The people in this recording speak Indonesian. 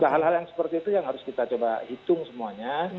hal hal yang seperti itu yang harus kita coba hitung semuanya